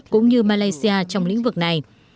cũng như malaysia trong lĩnh vực này